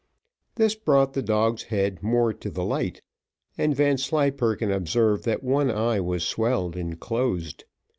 This brought the dog's head more to the light, and Vanslyperken observed that one eye was swelled and closed.